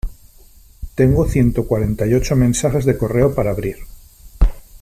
Tengo ciento cuarenta y ocho mensajes de correo para abrir.